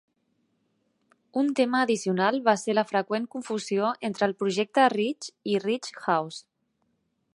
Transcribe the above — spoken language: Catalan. Un tema addicional va ser la freqüent confusió entre el Projecte Ridge i Ridge House.